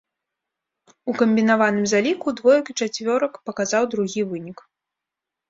У камбінаваным заліку двоек і чацвёрак паказаў другі вынік.